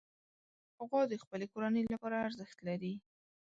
غوا د خپلې کورنۍ لپاره ارزښت لري.